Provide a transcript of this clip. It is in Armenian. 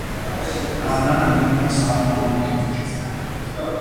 Գարնանը լինում են սառնամանիքներ։